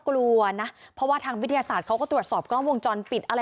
กลัวนะเพราะว่าทางวิทยาศาสตร์เขาก็ตรวจสอบกล้องวงจรปิดอะไร